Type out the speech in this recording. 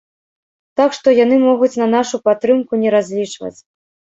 Так што, яны могуць на нашу падтрымку не разлічваць.